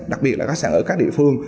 đặc biệt là các khách sạn ở các địa phương